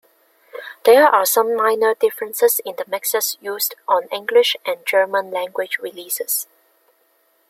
There are some minor differences in the mixes used on English- and German-language releases.